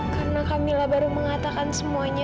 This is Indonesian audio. karena kamila baru mengatakan semuanya